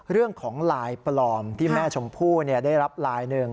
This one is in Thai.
๒เรื่องของหลายปลอมที่แม่ชมพูได้รับหลายนึง